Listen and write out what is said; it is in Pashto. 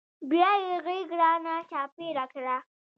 بيا يې غېږ رانه چاپېره کړه.